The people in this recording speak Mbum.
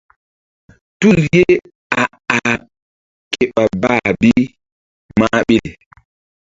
Tul ye a-ah ke ɓa bah bi mah ɓil.